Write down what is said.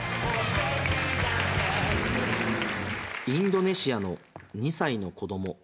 インドネシアの２歳の子供。